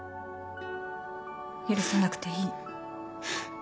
許さなくていい。